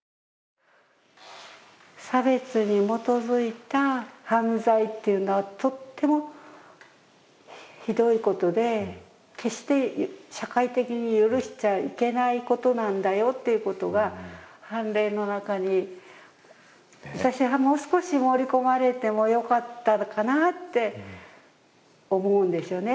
差別に基づいた犯罪というのはとってもひどいことで決して社会的に許しちゃいけないことなんだよということが判例の中に、私はもう少し盛り込まれてもよかったのかなって思うんですよね。